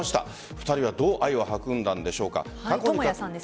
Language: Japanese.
２人はどう愛を育んだんでしょうか。